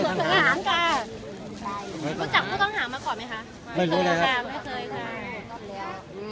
รู้จักผู้ต้องหามาก่อนไหมคะไม่เคยนะครับ